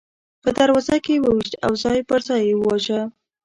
په دروازه کې یې وویشت او ځای پر ځای یې وواژه.